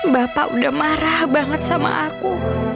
bapak udah marah banget sama aku